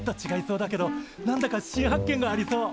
そうだけどなんだか新発見がありそう！